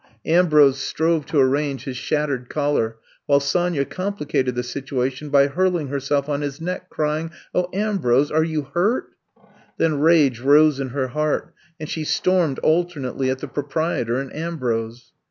Ambrose strove to arrange his shat tered collar, while Sonya complicated the situation by hurling herself on his neck, crying : 0h, Ambrose, are you hurtf Then rage rose in her heart and she stormed alternately at the proprietor and Ambrose.